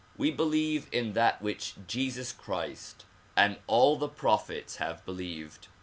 We believe in that which Jesus Christ and all the prophets have believed.